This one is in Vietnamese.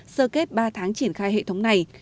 sơ kết ba tháng triển khai hệ thống này